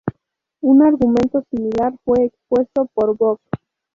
Un argumento similar fue expuesto por Bock.